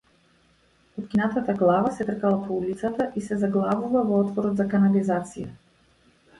Откинатата глава се тркала по улицата и се заглавува во отворот за канализација.